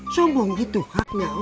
sombong itu hak nya allah